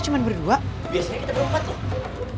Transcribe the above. biasanya kita berdua pak rete